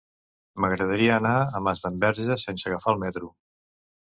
M'agradaria anar a Masdenverge sense agafar el metro.